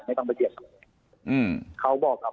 ไม่ต้องไปเกียจ